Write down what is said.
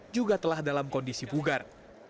juga telah dalam kondisi bugar